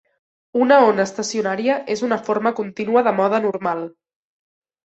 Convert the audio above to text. Una ona estacionària és una forma contínua de mode normal.